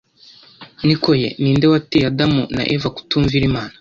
Niko ye ni nde wateye Adamu na Eva kutumvira Imana